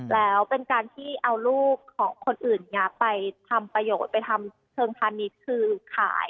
แล้วเป็นการที่เอาลูกของคนอื่นไปทำประโยชน์ไปทำเชิงพาณิชย์คือขาย